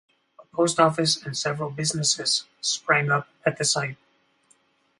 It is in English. A post office and several businesses sprang up at the site.